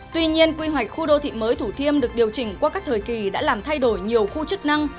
tuy nhiên quy hoạch khu đô thị mới thủ thiêm được điều chỉnh qua các thời kỳ đã làm thay đổi nhiều khu chức năng